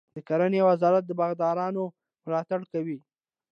د کرنې وزارت د باغدارانو ملاتړ کوي.